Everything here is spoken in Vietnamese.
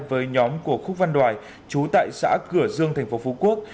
với nhóm của khúc văn đoài chú tại xã cửa dương tp phú quốc